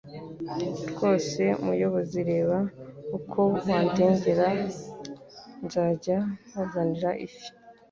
Rwose muyobozi reba uko wandengera nzajya nkuzanira ifi